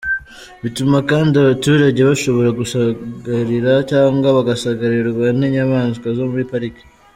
Bituma kandi abaturage bashobora gusagarira cyangwa bagasagarirwa n’inyamaswa zo muri pariki.